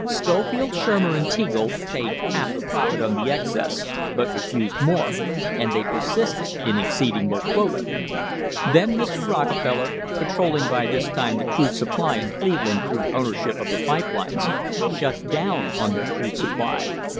Scofield, Shurmer and Teagle paid half the profit on the excess, but refused more, and they persisted in exceeding their quota; then Mr. Rockefeller, controlling by this time the crude supply in Cleveland through ownership of the pipe lines, shut down on their crude supply.